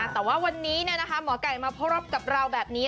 แต่ว่าวันนี้หมอไก่มาพบกับเราแบบนี้